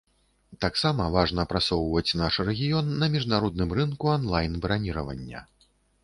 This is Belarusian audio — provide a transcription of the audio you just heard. Таксама важна прасоўваць наш рэгіён на міжнародным рынку анлайн-браніравання.